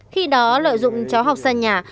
khi đó lợi dụng cháu học xa nhà